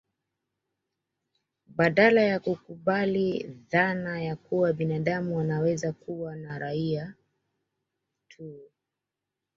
Badala ya kukubali dhana ya kuwa binadamu anaweza kuwa na raia tu